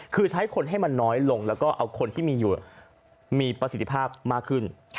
คือใช้คนให้มันน้อยลงแล้วก็เอาคนที่มีอยู่มีประสิทธิภาพมากขึ้น